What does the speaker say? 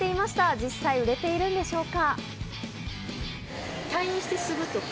実際、売れているんでしょうか？